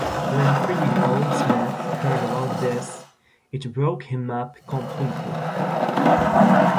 When Freddy Goldsmith heard about this, it broke him up completely.